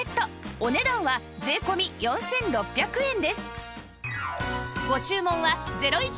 お値段は税込４６００円です